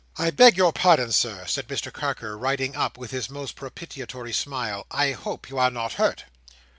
"I beg your pardon, Sir," said Mr Carker, riding up, with his most propitiatory smile. "I hope you are not hurt?"